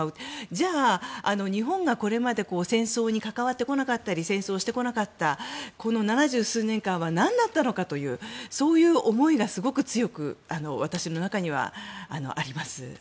じゃあ、日本がこれまで戦争に関わってこなかったり戦争をしてこなかったこの７０数年間はなんだったのかというそういう思いがすごく強く私の中にはあります。